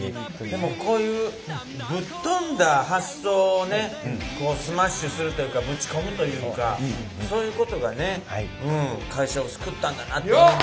でもこういうぶっ飛んだ発想をねスマッシュするというかぶち込むというかそういうことがね会社を救ったんだなって思います。